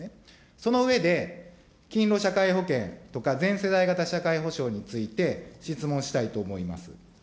その上で、勤労者皆保険とか、全世代型社会保障について、質問したいと思います。